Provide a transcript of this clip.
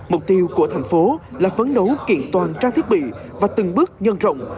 mục tiêu của thành phố là phấn đấu kiện toàn trang thiết bị và từng bước nhân rộng